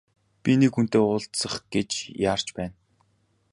Би нэг хүнтэй уулзах гэж яарч байна.